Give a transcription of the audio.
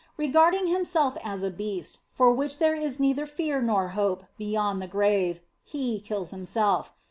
Re garding himself as a beast, for which there is neither fear nor hope beyond the grave, he kills himself.